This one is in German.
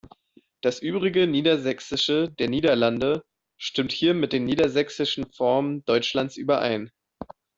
Das übrige Niedersächsische der Niederlande stimmt hier mit den niedersächsischen Formen Deutschlands überein.